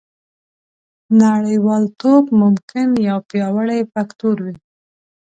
نړیوالتوب ممکن یو پیاوړی فکتور وي